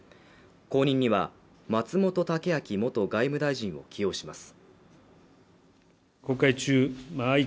後任には松本剛明元外務大臣を起用します。